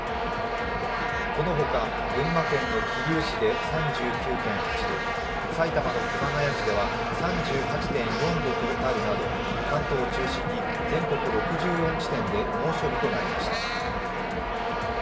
この他、群馬県の桐生市で３９．８度、埼玉の熊谷市はでは３８．４度となるなど関東を中心に全国６４地点で猛暑日となりました。